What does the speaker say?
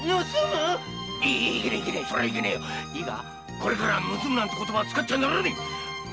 これからは「盗む」なんて言葉を使っちゃならねえ！